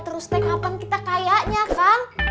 beramal terus teh kapan kita kayaknya kan